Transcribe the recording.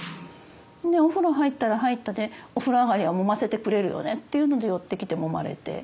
でお風呂入ったら入ったでお風呂上がりはもませてくれるよねっていうので寄ってきてもまれて。